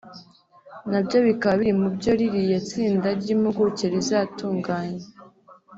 nabyo bikaba biri mubyo ririya tsinda ry’impuguke rizatunganya